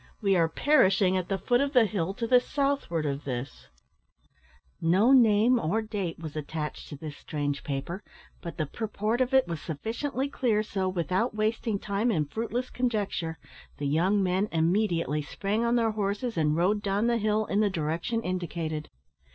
We are perishing at the foot of the hill to the southward of this_." No name or date was attached to this strange paper, but the purport of it was sufficiently clear so, without wasting time in fruitless conjecture, the young men immediately sprang on their horses, and rode down the hill in the direction indicated.